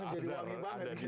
jadi wangi banget